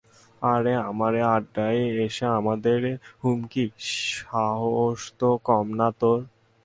আরে, আমারে আড্ডায় এসে আমাদেরই হুমকি, সাহতো কমনা তোর।